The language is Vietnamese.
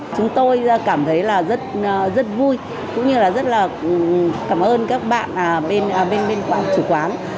chúng tôi cảm thấy là rất vui cũng như là rất là cảm ơn các bạn bên quan chủ quán